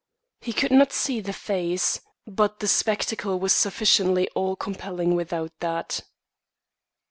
He could not see the face, but the spectacle was sufficiently awe compelling without that.